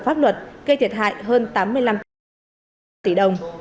pháp luật gây thiệt hại hơn tám mươi năm tỷ đồng